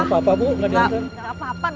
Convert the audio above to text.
gak apa apa bu gak diantar